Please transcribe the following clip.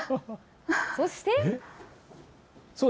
そして。